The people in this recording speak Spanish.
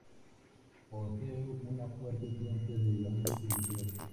Posee una fuerte influencia de la música industrial.